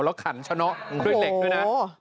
แล้วขันชะน็อดด้วยเหล็กด้วยนะโอ้โห